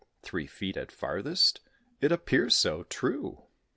Three feet at farthest? It appears so, true!